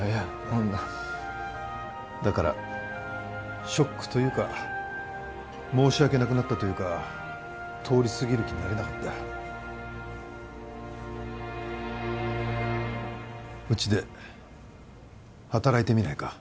そんなだからショックというか申し訳なくなったというか通り過ぎる気になれなかったうちで働いてみないか？